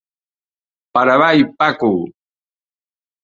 Per avall Paco!